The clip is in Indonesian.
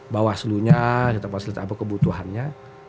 bawah selunya kita fasilitasi apa kebutuhannya